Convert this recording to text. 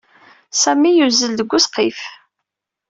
Sami yuzzel deg wesqif.